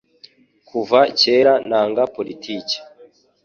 kuva kera nanga politike